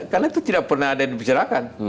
karena itu tidak pernah ada yang dibicarakan